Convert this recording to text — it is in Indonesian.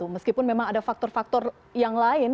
meskipun memang ada faktor faktor yang lain